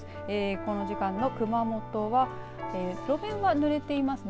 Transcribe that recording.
この時間の熊本は路面はぬれていますね。